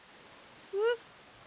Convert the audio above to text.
えっ？